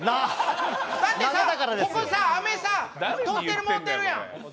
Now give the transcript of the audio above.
だってさ、ここさ、飴さ取ってもうてるやん。